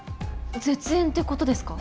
絶縁ってことですか？